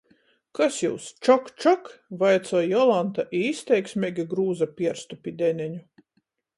"Kas jius — čok, čok?" vaicoj Jolanta i izteiksmeigi grūza pierstu pi deneņu.